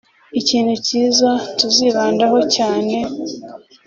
ikintu cyiza tuzibandaho cyane